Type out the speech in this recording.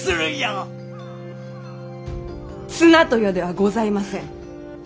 綱豊ではございません。